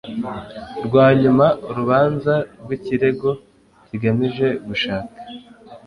rwa nyuma urubanza rw ikirego kigamije gushaka